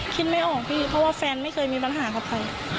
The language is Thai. ไม่ออกพี่เพราะว่าแฟนไม่เคยมีปัญหากับใคร